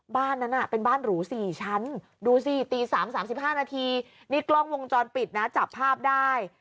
บ้านนั้นเป็นบ้านหรู๔ชั้นดูสิตี๓๓๕นาทีนี่กล้องวงจรปิดนะจับภาพได้